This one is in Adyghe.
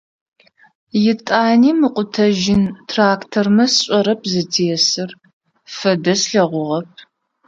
Етӏани мыкъутэжьын трактормэ сшӏэрэп зытесыр, фэдэ слъэгъугъэп.